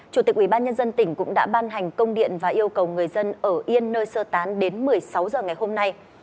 chủ tịch ủy ban nhân dân tỉnh cũng đã ban hành công điện và yêu cầu người dân ở yên nơi sơ tán đến một mươi sáu h ngày hôm nay